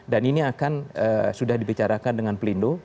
dan ini akan sudah dibicarakan dengan pelindung